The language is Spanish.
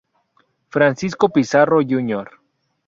Francisco Pizarro, Jr.